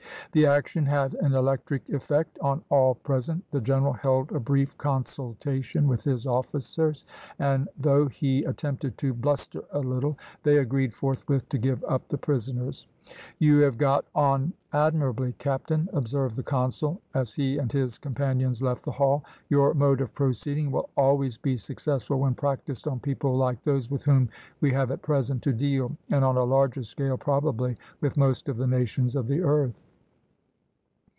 The action had an electric effect on all present; the general held a brief consultation with his officers, and, though he attempted to bluster a little, they agreed forthwith to give up the prisoners. "You have got on admirably, captain," observed the consul, as he and his companions left the hall. "Your mode of proceeding will always be successful when practised on people like those with whom we have at present to deal, and on a larger scale, probably, with most of the nations of the earth."